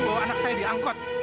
bahwa anak saya diangkut